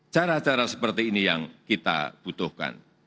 cara cara seperti ini yang kita butuhkan